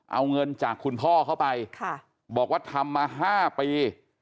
เอาเงินจากคุณพ่อเข้าไปบอกว่าทำมา๕ปี